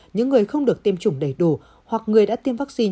những người không được tiêm chủng đầy đủ hoặc người đã tiêm vaccine